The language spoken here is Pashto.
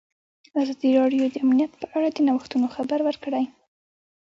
ازادي راډیو د امنیت په اړه د نوښتونو خبر ورکړی.